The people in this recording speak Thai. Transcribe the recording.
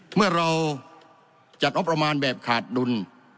เมื่อเราจัดงบประมาณแบบขาดดุล